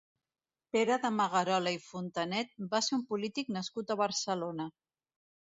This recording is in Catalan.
Pere de Magarola i Fontanet va ser un polític nascut a Barcelona.